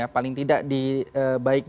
paling tidak baik